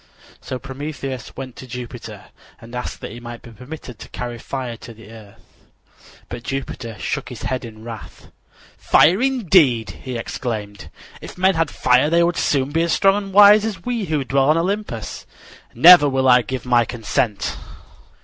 So Prometheus went to Jupiter and asked that he might be permitted to carry fire to the earth. But Jupiter shook his head in wrath. "Fire, indeed!" he exclaimed. "If men had fire they would soon be as strong and wise as we who dwell on Olympus. Never will I give my consent."